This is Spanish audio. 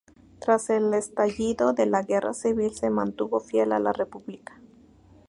Tras el estallido de la guerra civil se mantuvo fiel a la República.